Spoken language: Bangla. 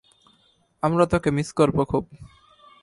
আমরা তোকে মিস করবো খুব!